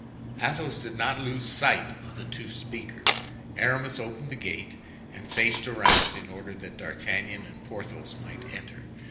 Athos did not lose sight of the two speakers. Aramis opened the gate and faced around in order that D'Artagnan and Porthos might enter.